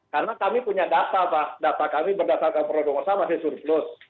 karena kami punya data pak data kami berdasarkan produk usaha masih surplus